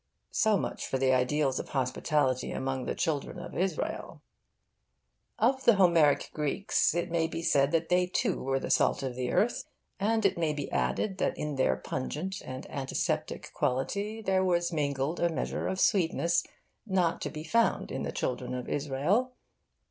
So much for the ideals of hospitality among the children of Israel. Of the Homeric Greeks it may be said that they too were the salt of the earth; and it may be added that in their pungent and antiseptic quality there was mingled a measure of sweetness, not to be found in the children of Israel.